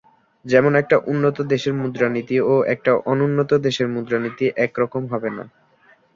যেমন একটা উন্নত দেশের মুদ্রানীতি ও একটা অনুন্নত দেশের মুদ্রানীতি একরকম হবে না।